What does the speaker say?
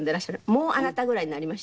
もう「あなた」ぐらいになりました？